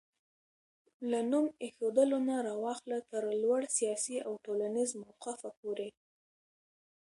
له نوم ايښودلو نه راواخله تر لوړ سياسي او ټولنيز موقفه پورې